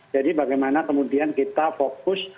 jadi bagaimana kemudian kita fokus